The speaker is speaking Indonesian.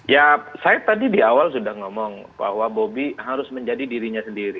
ya saya tadi di awal sudah ngomong bahwa bobi harus menjadi dirinya sendiri